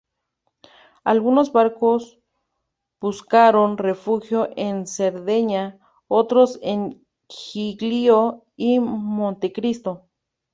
Algunos barcos buscaron refugio en Cerdeña, otros en Giglio y Montecristo.